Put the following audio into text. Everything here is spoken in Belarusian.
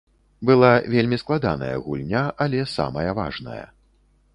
Была вельмі складаная гульня, але самая важная.